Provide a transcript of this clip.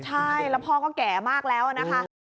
ใช่แล้วพ่อก็แก่มากแล้วนะคะ